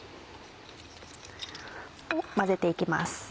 混ぜて行きます。